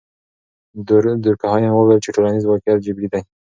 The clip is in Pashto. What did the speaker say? دورکهایم وویل چې ټولنیز واقعیت جبري دی.